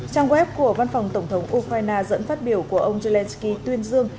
trang web của văn phòng tổng thống ukraine dẫn phát biểu của ông zelensky tuyên dương